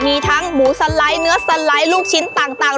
มีทั้งหมูสไลด์เนื้อสไลด์ลูกชิ้นต่าง